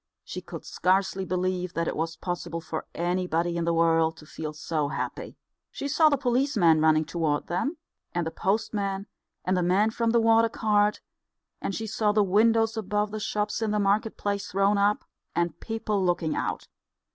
She could scarcely believe that it was possible for anybody in the world to feel so happy. She saw the policeman running toward them, and the postmen, and the man from the water cart; and she saw the windows above the shops in the market place thrown up, and people looking out.